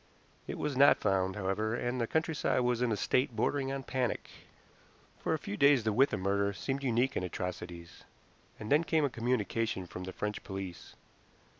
It was not found, however, and the countryside was in a state bordering on panic. For a few days the Withan murder seemed unique in atrocities, and then came a communication from the French police.